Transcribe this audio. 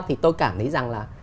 thì tôi cảm thấy rằng là